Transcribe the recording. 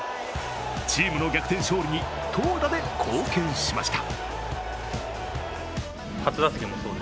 チームの逆転勝利に投打で貢献しました。